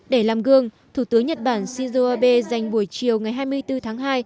để làm gương thủ tướng nhật bản shinzo abe dành buổi chiều ngày hai mươi bốn tháng hai